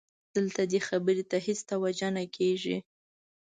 دلته دې خبرې ته هېڅ توجه نه کېږي.